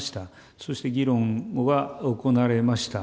そして議論は行われました。